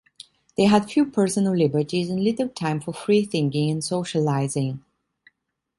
They had few personal liberties and little time for free thinking and socializing.